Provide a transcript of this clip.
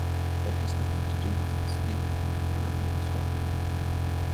It has nothing to do with the Spey, a river in Scotland.